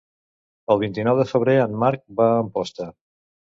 El vint-i-nou de febrer en Marc va a Amposta.